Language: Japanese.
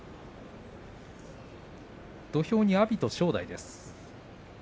土俵は阿炎と正代です。